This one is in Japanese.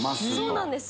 そうなんです。